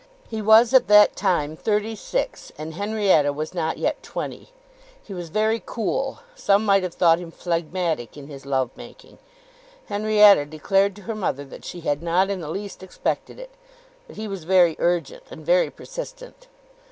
He was at that time thirty six, and Henrietta was not yet twenty. He was very cool; some might have thought him phlegmatic in his love making. Henrietta declared to her mother that she had not in the least expected it. But he was very urgent, and very persistent.